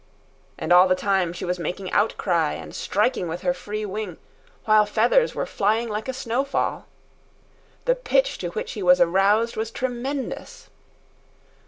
And all the time she was making outcry and striking with her free wing, while feathers were flying like a snow fall. The pitch to which he was aroused was tremendous.